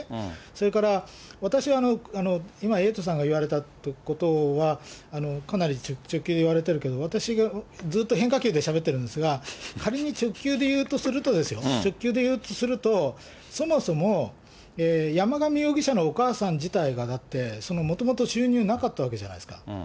それから、私は今、エイトさんが言われたことは、かなり率直に言われてるけど、私はずっと変化球でしゃべってるんですが、仮に直球で言うとすると、直球で言うとすると、そもそも、山上容疑者のお母さん自体が、だって、そのもともと収入なかったわけじゃないですか。